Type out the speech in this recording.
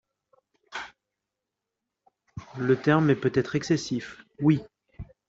le terme est peut-être excessif, Oui